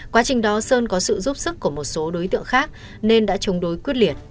quá trình đó sơn có sự giúp sức của một số đối tượng khác nên đã chống đối quyết liệt